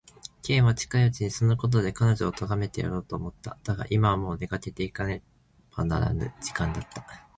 Ｋ は近いうちにそのことで彼女をとがめてやろうと思った。だが、今はもう出かけていかねばならぬ時間だった。